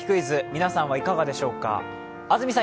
皆さんはいかがでしょうか。